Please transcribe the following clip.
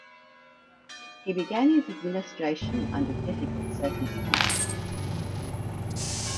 He began his administration under difficult circumstances.